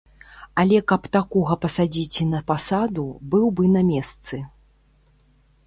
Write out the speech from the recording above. Але каб такога пасадзіць і на пасаду, быў бы на месцы.